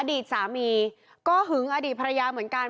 อดีตสามีก็หึงอดีตภรรยาเหมือนกัน